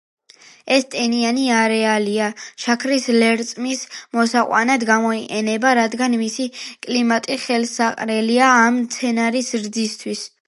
ეს ტენიანი არეალი შაქრის ლერწმის მოსაყვანად გამოიყენება, რადგან მისი კლიმატი ხელსაყრელია ამ მცენარის ზრდისთვის.